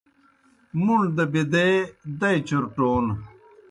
مُوݨ دہ بِدَے دئی چُرٹون